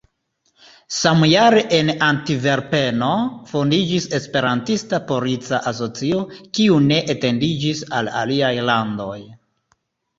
Samjare en Antverpeno fondiĝis Esperantista Polica Asocio, kiu ne etendiĝis al aliaj landoj.